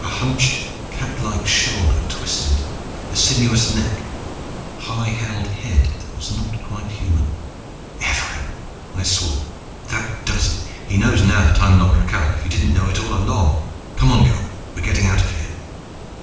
A hunched, catlike shoulder twisted; a sinuous neck, a high held head that was not quite human. "Evarin!" I swore. "That does it. He knows now that I'm not Rakhal, if he didn't know it all along! Come on, girl, we're getting out of here!"